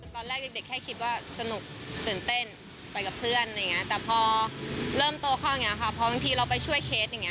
ตอนแรกเด็กแค่คิดว่าสนุกตื่นเต้นไปกับเพื่อนแต่พอเริ่มโตข้อพอบางทีเราไปช่วยเคส